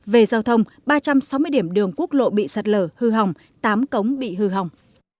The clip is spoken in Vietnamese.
về giao thông ba trăm sáu mươi điểm đường quốc lộ bị sạt lở hư hỏng tám cống bị hư hỏng